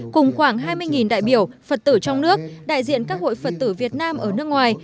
cùng khoảng hai mươi đại biểu phật tử trong nước đại diện các hội phật tử việt nam ở nước ngoài